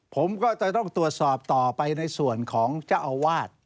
ผมก็จะต้องตรวจสอบต่อไปในส่วนของเจ้าอาวาส